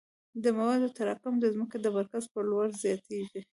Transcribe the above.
د موادو تراکم د ځمکې د مرکز په لور زیاتیږي